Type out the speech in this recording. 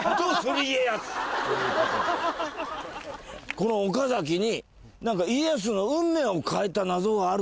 この岡崎に家康の運命を変えた謎があるという。